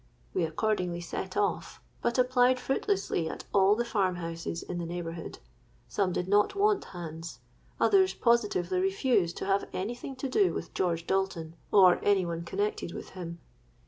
We accordingly set off, but applied fruitlessly at all the farm houses in the neighbourhood. Some did not want hands: others positively refused to have any thing to do with George Dalton or any one connected with him.